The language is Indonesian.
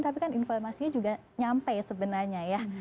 tapi kan informasinya juga nyampe sebenarnya ya